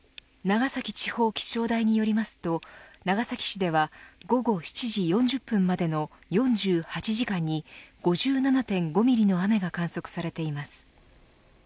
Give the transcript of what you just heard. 長崎地方気象台によりますと長崎市では午後７時４０分までの４８時間に５７．５ミリの雨が観測されています。